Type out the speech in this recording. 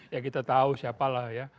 ya kita tahu siapalah ya